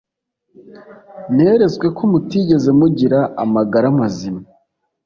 Neretswe ko mutigeze mugira amagara mazima